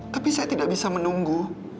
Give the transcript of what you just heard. tapi saya tidak bisa menunggu